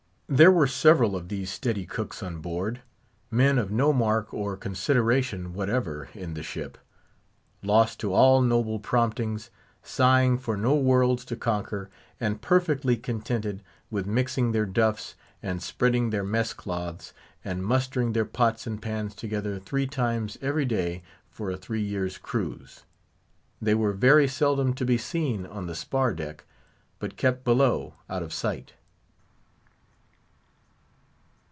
There were several of these steady cooks on board; men of no mark or consideration whatever in the ship; lost to all noble promptings; sighing for no worlds to conquer, and perfectly contented with mixing their duff's, and spreading their mess cloths, and mustering their pots and pans together three times every day for a three years' cruise. They were very seldom to be seen on the spar deck, but kept below out of sight.